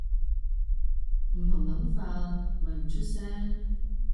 唔同諗法咪唔出聲